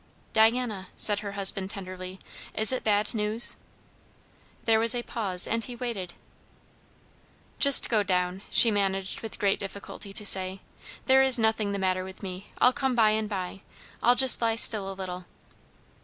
"Diana," said her husband tenderly, "is it bad news?" There was a pause, and he waited. "Just go down," she managed with great difficulty to say. "There is nothing the matter with me. I'll come by and by. I'll just lie still a little."